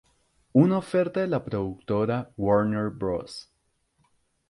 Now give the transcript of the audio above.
Una oferta de la productora Warner Bros.